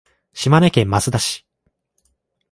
島根県益田市